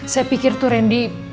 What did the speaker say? saya pikir tuh rendy